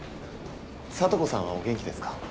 聡子さんはお元気ですか？